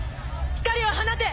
光を放て！